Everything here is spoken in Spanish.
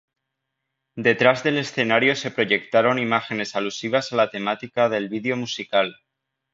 Detrás del escenario se proyectaron imágenes alusivas a la temática del vídeo musical.